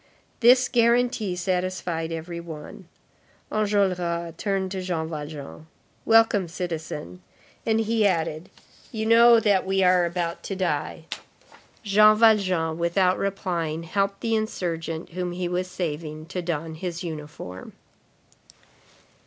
This guarantee satisfied every one. Enjolras turned to Jean Valjean. "Welcome, citizen." And he added: "You know that we are about to die." Jean Valjean, without replying, helped the insurgent whom he was saving to don his uniform.